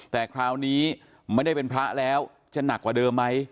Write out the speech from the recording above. แต่คราวนี้ไม่ได้เป็นพระแล้วจะหนักกว่าเดิมไหม